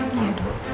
boleh gak